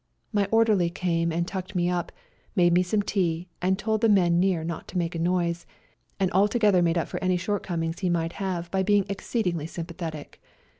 My orderly came and tucked me up, made me some tea, and told the men near not to make a noise, and altogether made up for any short comings he might have by being exceed ingly sympathetic.